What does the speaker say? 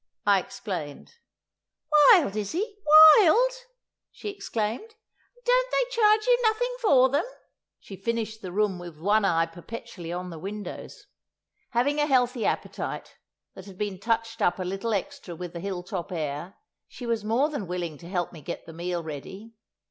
I explained. "Wild, is he? Wild?" she exclaimed; "and don't they charge you nothing for them?" She finished the room with one eye perpetually on the windows. Having a healthy appetite, that had been touched up a little extra with the hill top air, she was more than willing to help me get the meal ready.